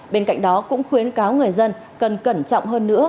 bên cạnh đó cũng khuyến cáo người dân cần cẩn trọng hơn nữa